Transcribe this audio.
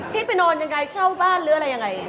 ไปนอนยังไงเช่าบ้านหรืออะไรยังไง